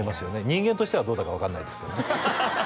人間としてはどうだか分かんないですけどね